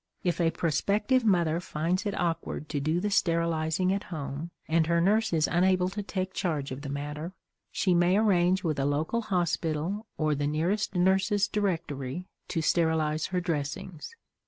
If a prospective mother finds it awkward to do the sterilizing at home, and her nurse is unable to take charge of the matter, she may arrange with a local hospital or the nearest nurses' directory to sterilize her dressings.